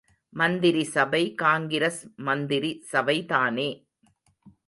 மந்திரிசபை காங்கிரஸ் மந்திரி சபைதானே.